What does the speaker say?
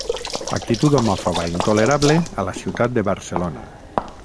Actitud homòfoba intolerable a la ciutat de Barcelona.